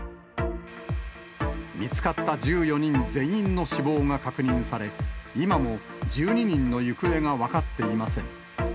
見つかった１４人全員の死亡が確認され、今も１２人の行方が分かっていません。